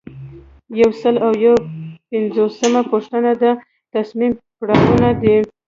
یو سل او یو پنځوسمه پوښتنه د تصمیم پړاوونه دي.